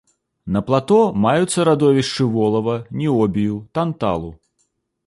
На плато маюцца радовішчы волава, ніобію, танталу.